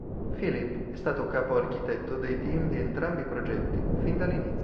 Philipp è stato capo-architetto dei team di entrambi progetti fin dal inizio.